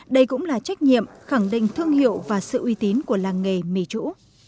đây cũng là trách nhiệm khẳng định thương hiệu và sự uy tín của làng nghề mì chủ